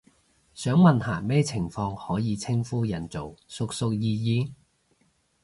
想問下咩情況可以稱呼人做叔叔姨姨？